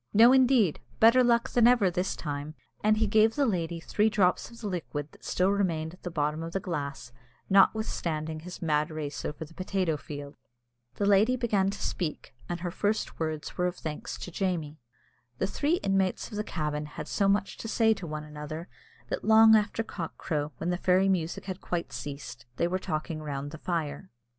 "No, indeed, better luck than ever this time!" and he gave the lady three drops of the liquid that still remained at the bottom of the glass, notwithstanding his mad race over the potato field. The lady began to speak, and her first words were words of thanks to Jamie. The three inmates of the cabin had so much to say to one another, that long after cock crow, when the fairy music had quite ceased, they were talking round the fire.